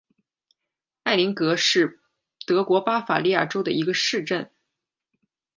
埃林格是德国巴伐利亚州的一个市镇。